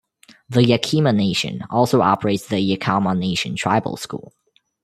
The Yakima Nation also operates the Yakama Nation Tribal School.